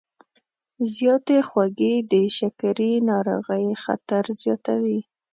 زیاتې خوږې د شکرې ناروغۍ خطر زیاتوي.